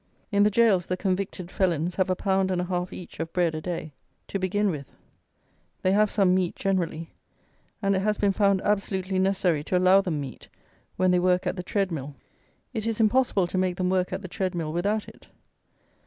In the gaols the convicted felons have a pound and a half each of bread a day to begin with: they have some meat generally, and it has been found absolutely necessary to allow them meat when they work at the tread mill. It is impossible to make them work at the tread mill without it.